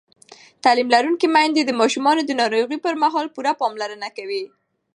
تعلیم لرونکې میندې د ماشومانو د ناروغۍ پر مهال پوره پاملرنه کوي.